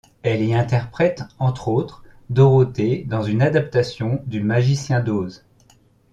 Elle y interprète entre autres Dorothée dans une adaptation du Magicien d'Oz.